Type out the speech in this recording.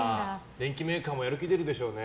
電機メーカーもやる気出るでしょうね。